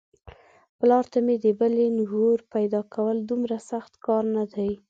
پلار ته مې د بلې نږور پيداکول دومره سخت کار نه دی.